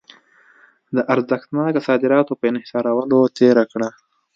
د ارزښتناکه صادراتو په انحصارولو تېره کړه.